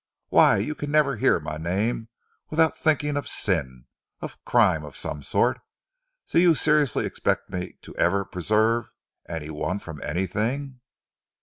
Why, you can never hear my name without thinking of sin, of crime of some sort! Do you seriously expect me to ever preserve any one from anything?"